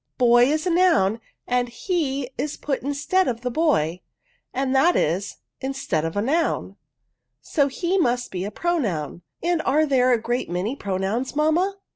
Boy is a noun, |and he is put instead of the boy, that is, instead of a noun, so he must be a pronoun ; and are there a great many pro nouns, mamma?"